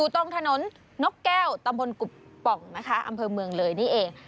ตรงถนนนกแก้วตำบลกุบป่องนะคะอำเภอเมืองเลยนี่เอง